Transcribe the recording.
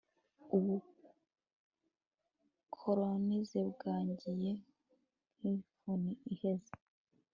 ubukolonize bwagiye nk'ifuni iheze